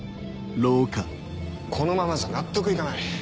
このままじゃ納得いかない。